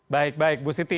baik baik bu siti